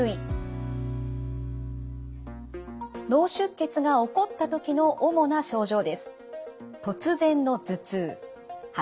脳出血が起こった時の主な症状です。